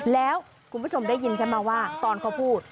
แล้วคุณผู้ชมได้ยินใช่ไหมว่าตอนเขาพูด